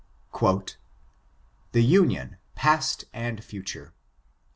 ]" The Union, Past and Future.